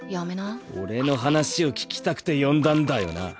俺の話を聞きたくて呼んだんだよな？